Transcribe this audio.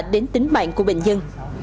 đến tính mạng của bệnh nhân